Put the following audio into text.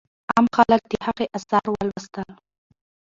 عام خلک د هغې آثار ولوستل.